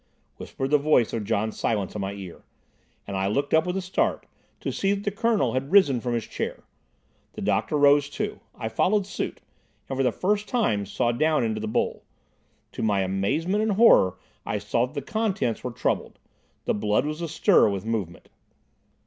whispered the voice of John Silence in my ear, and I looked up with a start to see that the Colonel had risen from his chair. The doctor rose too. I followed suit, and for the first time saw down into the bowl. To my amazement and horror I saw that the contents were troubled. The blood was astir with movement.